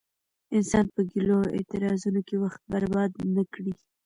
انسان په ګيلو او اعتراضونو کې وخت برباد نه کړي.